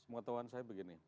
pengetahuan saya begini